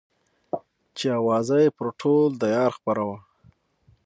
چې اوازه يې پر ټول ديار خپره وه.